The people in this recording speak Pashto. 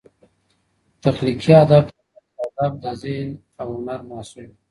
تخلیقي ادب د ادئب د ذهن او هنر محصول دئ.